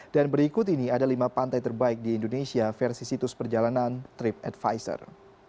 dan berikut ini ada lima pantai terbaik di indonesia versi situs perjalanan tripadvisor